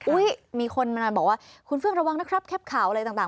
มีคนมาบอกว่าคุณเฝ้าระวังนะครับแคปข่าวอะไรต่าง